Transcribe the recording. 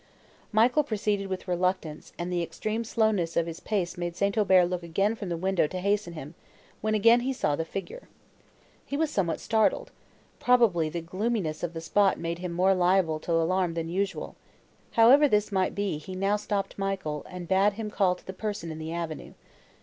Michael proceeded with reluctance, and the extreme slowness of his pace made St. Aubert look again from the window to hasten him, when again he saw the same figure. He was somewhat startled: probably the gloominess of the spot made him more liable to alarm than usual; however this might be, he now stopped Michael, and bade him call to the person in the avenue.